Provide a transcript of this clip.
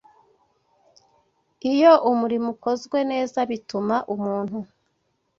Iyo umurimo ukozwe neza bituma umuntu